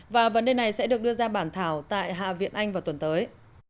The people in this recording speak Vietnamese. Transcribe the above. và vấn đề này sẽ được đưa ra bản thảo tại hạ viện anh vào tuần tới